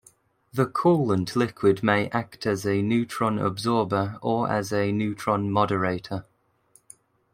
The coolant liquid may act as a neutron absorber or as a neutron moderator.